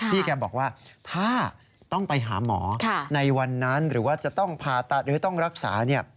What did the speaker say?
แกบอกว่าถ้าต้องไปหาหมอในวันนั้นหรือว่าจะต้องผ่าตัดหรือต้องรักษาเนี่ย